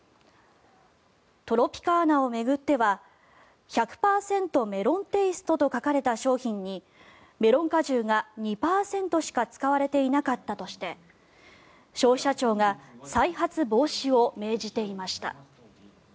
トロピカーナを巡っては「１００％ＭＥＬＯＮＴＡＳＴＥ」と書かれた商品にメロン果汁が２％しか使われていなかったとして消費者庁が再発防止を命じていました。